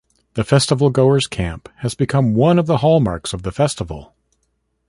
The festivalgoers' camp has become one of the hallmarks of the festival.